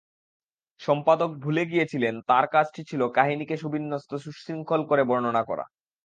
সম্পাদক ভুলে গিয়েছিলেন তাঁর কাজটি ছিল কাহিনিকে সুবিন্যস্ত সুশৃঙ্খল করে বর্ণনা করা।